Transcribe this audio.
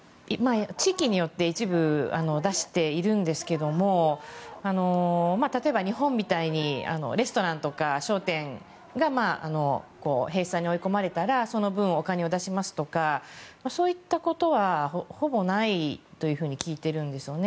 地域によって一部、出しているんですけれども例えば日本みたいにレストランとか商店が閉鎖に追い込まれたらその分、お金を出しますとかそういったことはほぼないと聞いているんですね。